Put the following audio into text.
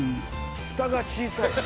ふたが小さい。